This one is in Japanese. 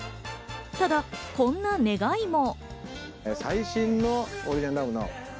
ただこんな願いも。